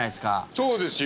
そうですよ。